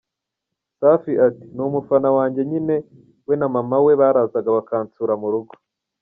Safi ati: “Ni umufana wanjye nyine we na mama we barazaga bakansura mu rugo.